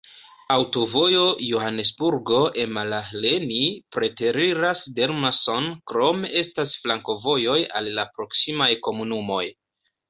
Aŭtovojo Johanesburgo-Emalahleni preteriras Delmas-on, krome estas flankovojoj al la proksimaj komunumoj.